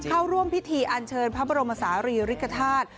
เข้าร่วมพิธีอันเชิญพระบรมศาลีริกฐาตุ